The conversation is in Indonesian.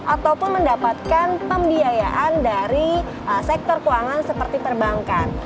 ataupun mendapatkan pembiayaan dari sektor keuangan seperti perbankan